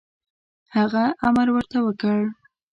هغه امر ورته وکړ.